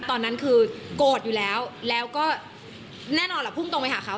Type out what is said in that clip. ตอนนั้นคือโกรธอยู่แล้วแล้วก็แน่นอนแหละพุ่งตรงไปหาเขา